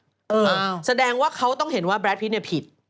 เออแสดงว่าเขาต้องเห็นว่าแรดพิษเนี่ยผิด